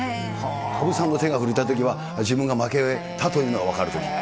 羽生さんの手が震えたときは自分が負けたというのが分かるという。